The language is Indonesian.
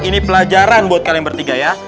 ini pelajaran buat kalian bertiga ya